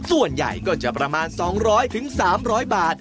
ส่วนใหญ่ก็จะประมาณ๒๐๐๓๐๐บาท